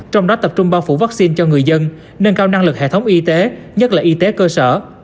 trong đó tập trung bao phủ vaccine cho người dân nâng cao năng lực hệ thống y tế nhất là y tế cơ sở